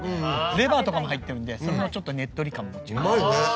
レバーとかも入ってるんでそれのねっとり感もあるし。